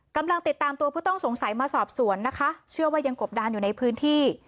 กำลังติดตามตัวผู้ต้องสงสัยมาสอบสวนนะคะเชื่อว่ายังกบดานอยู่ในพื้นที่